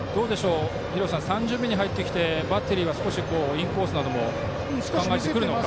廣瀬さん３巡目に入ってバッテリーは少しインコースなども考えてくるのか。